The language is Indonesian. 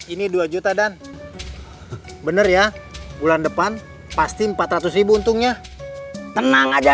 ini dua juta dan bener ya bulan depan pasti empat ratus ribu untungnya tenang aja